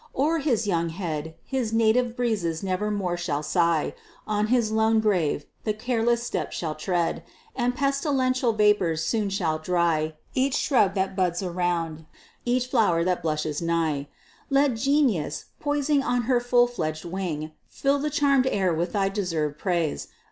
O'er his young head His native breezes never more shall sigh; On his lone grave the careless step shall tread, And pestilential vapors soon shall dry Each shrub that buds around each flow'r that blushes nigh. Let Genius, poising on her full fledg'd wing, Fill the charm'd air with thy deserved praise!